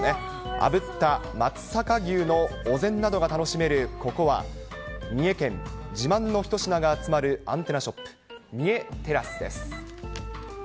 あぶった松阪牛のお膳などが楽しめるここは、三重県自慢の一品が集まるアンテナショップ、三重テラスです。